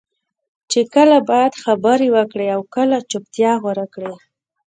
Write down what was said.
چې کله باید خبرې وکړې او کله چپتیا غوره کړې.